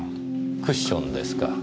クッションですか。